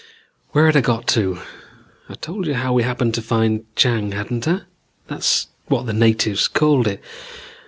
"Where had I got to? I'd told you how we happened to find Chang, hadn't I? That's what the natives called it.